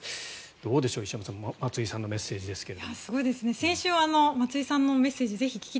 どうでしょう、石山さん松井さんのメッセージ。